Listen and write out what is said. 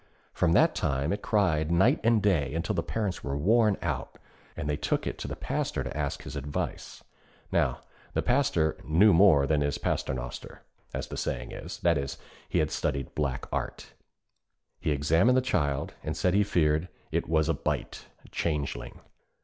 From that time it cried night and day until the parents were worn out, and they took it to the Pastor to ask his advice. Now the Pastor 'knew more than his Paternoster,' as the saying is; that is, he had studied Black Art. He examined the child and said he feared it was a bytte (changeling).